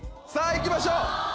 さぁ行きましょう。